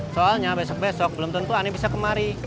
soalnya besok besok belum tentu aneh bisa kemari